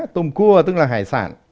tôm cua tức là hải sản